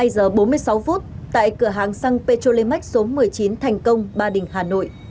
hai mươi giờ bốn mươi sáu phút tại cửa hàng xăng petrolimax số một mươi chín thành công ba đình hà nội